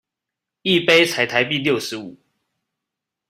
一杯才台幣六十五